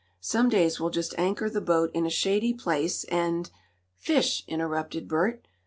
Some days we'll just anchor the boat in a shady place, and " "Fish!" interrupted Bert.